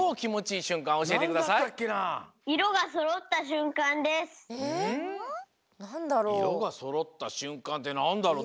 いろがそろったしゅんかんってなんだろう？